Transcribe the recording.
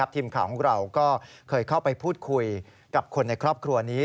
ทีมข่าวของเราก็เคยเข้าไปพูดคุยกับคนในครอบครัวนี้